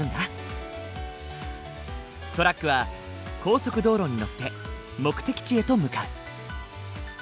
トラックは高速道路に乗って目的地へと向かう。